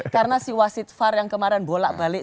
karena si wasit far yang kemarin bolak balik